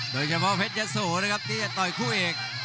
โดยเฉพาะเพชรยะโสนะครับที่จะต่อยคู่เอก